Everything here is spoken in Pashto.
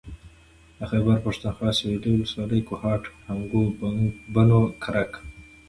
د خېبر پښتونخوا سوېلي ولسوالۍ کوهاټ هنګو بنو کرک